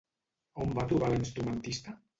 On va trobar la instrumentista?